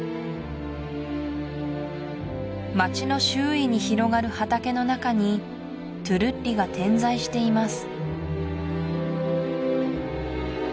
町の周囲に広がる畑の中にトゥルッリが点在しています